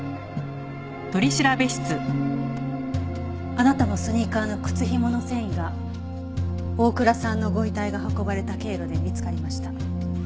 あなたのスニーカーの靴ひもの繊維が大倉さんのご遺体が運ばれた経路で見つかりました。